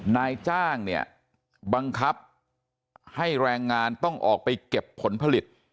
นายจ้างเนี่ยบังคับให้แรงงานต้องออกไปเก็บผลผลิต